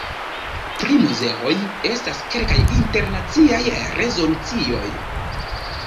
Pri muzeoj estas kelkaj internaciaj rezolucioj.